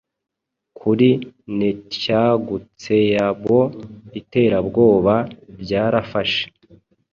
Kuri netyagutseabo iterabwoba ryarafashe